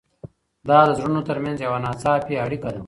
دا د زړونو تر منځ یوه ناڅاپي اړیکه وه.